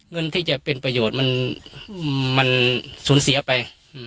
เงินที่จะเป็นประโยชน์มันสูญเสียไป